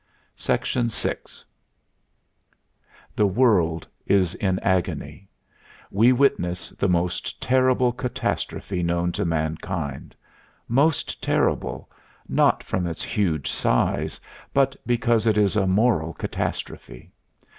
VI The world is in agony. We witness the most terrible catastrophe known to mankind most terrible, not from its huge size, but because it is a moral catastrophe.